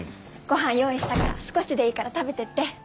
ご飯用意したから少しでいいから食べていって。